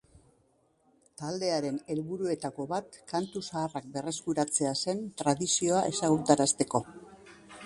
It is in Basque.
Taldearen helburuetako bat kantu zaharrak berreskuratzea zen, tradizioa ezagutarazteko.